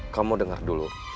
kamu dengar dulu